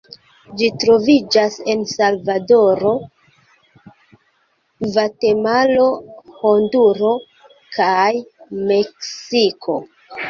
Ĝi troviĝas en Salvadoro, Gvatemalo, Honduro kaj Meksiko.